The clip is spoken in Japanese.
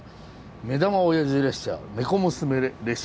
目玉おやじ列車ねこ娘列車と。